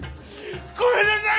ごめんなさい！